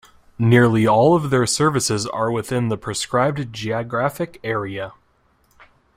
Nearly all their services are within the prescribed geographic area.